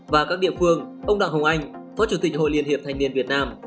và các địa phương ông đào hồng anh phó chủ tịch hội liên hiệp thanh niên việt nam